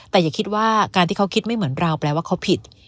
แต่อย่าคิดว่าการที่เขาคิดไม่เหมือนเราแปลว่าเขาผิด